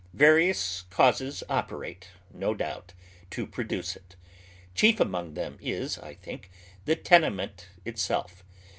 Various causes operate, no doubt, to pro duce it. Chief among them is, I thhik, the tenement itself.